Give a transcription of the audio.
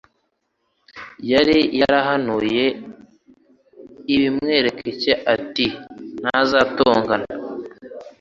yari yarahanuye ibimwerekcye ati: "Ntazatongana,-